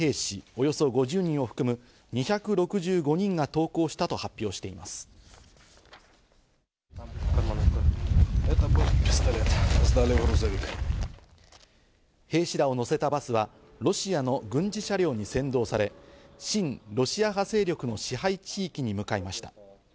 およそ５０人を含む２６５人が投降した兵士らを乗せたバスはロシアの軍事車両に先導され、親ロシア派勢力の支配地域に向かいました。